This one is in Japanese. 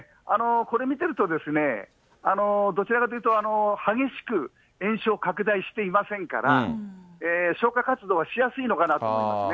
これ見てると、どちらかというと、激しく延焼拡大していませんから、消火活動はしやすいのかなと思いますね。